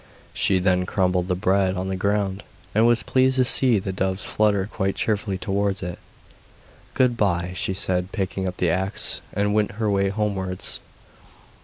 She then crumbled the bread on the ground, and was pleased to see the doves flutter quite cheerfully towards it. 'Good bye,' she said, picking up the axe, and went her way homewards.